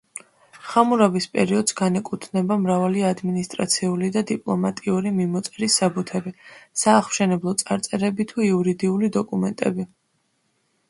ხამურაბის პერიოდს განეკუთვნება მრავალი ადმინისტრაციული და დიპლომატიური მიმოწერის საბუთები, სააღმშენებლო წარწერები თუ იურიდიული დოკუმენტები.